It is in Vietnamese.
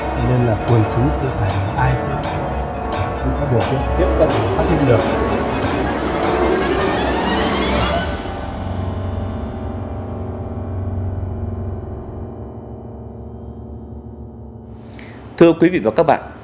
chào mừng quý vị và các bạn